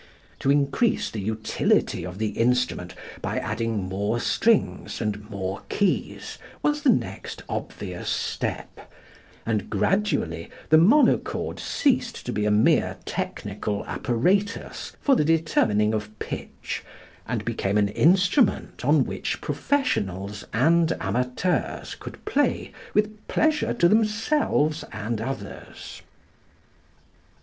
To increase the utility of the instrument by adding more strings and more keys was the next obvious step, and gradually the monochord ceased to be a mere technical apparatus for the determining of pitch and became an instrument on which professionals and amateurs could play with pleasure to themselves and others.